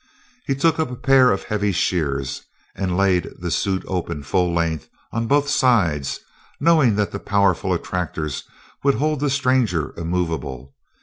He took up a pair of heavy shears and laid the suit open full length, on both sides, knowing that the powerful attractors would hold the stranger immovable.